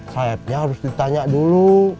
saeb nya harus ditanya dulu